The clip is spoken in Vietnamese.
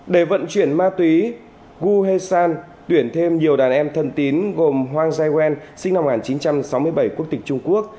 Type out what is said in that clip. để vận chuyển ma túy gu heisan tuyển thêm nhiều đàn em thân tín gồm hoang giai quen sinh năm một nghìn chín trăm sáu mươi bảy quốc tịch trung quốc